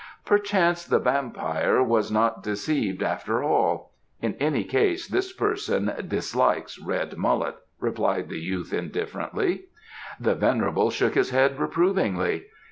"Perchance the vampire was not deceived after all. In any case this person dislikes red mullet," replied the youth indifferently. The venerable shook his head reprovingly.